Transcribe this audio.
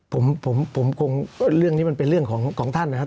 ผมผมคงเรื่องนี้มันเป็นเรื่องของท่านนะครับ